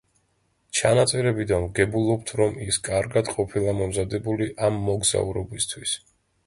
ჩანაწერებიდან ვგებულობთ, რომ ის კარგად ყოფილა მომზადებული ამ მოგზაურობისათვის.